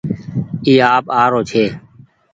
اي آپ آرو ڇي